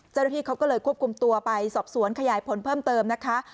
เจ้าหน้าที่เขาก็เลยควบคุมตัวไปสอบสวนขยายผลเพิ่มเติมนะคะ